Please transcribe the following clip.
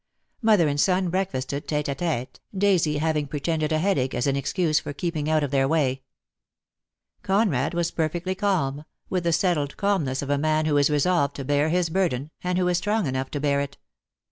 Mother and son breakfasted tete a tete, Daisy 2 8b DEAD LOVE HAS CHAINS. having pretended a headache as an excuse for keep ing out of their way. Conrad was perfectly calm, with the settled calmness of a man who is resolved to bear his burden, and who is strong enough to bear it.